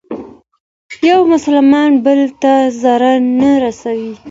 يو مسلمان بل ته ضرر نه رسوي.